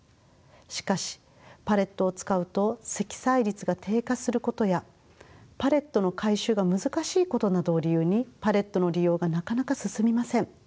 しかしパレットを使うと積載率が低下することやパレットの回収が難しいことなどを理由にパレットの利用がなかなか進みません。